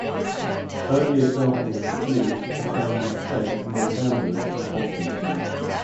Early examples of its use are found instead among gamblers and confidence men.